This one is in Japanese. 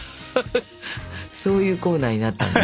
そういうコーナーになったんだね？